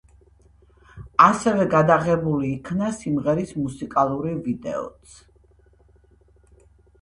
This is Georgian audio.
ასევე გადაღებული იქნა სიმღერის მუსიკალური ვიდეოც.